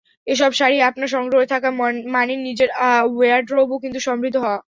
এসব শাড়ি আপনার সংগ্রহে থাকা মানে নিজের ওয়্যারড্রোবও কিন্তু সমৃদ্ধ হওয়া।